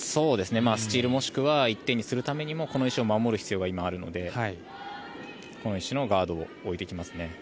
スチールもしくは１点にするためにもこの石を守る必要があるのでこの石のガードを置いていきますね。